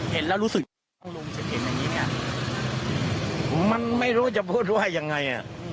เห็นแล้วรู้สึกจะเห็นอย่างงี้เนี่ยมันไม่รู้จะพูดว่ายังไงอ่ะ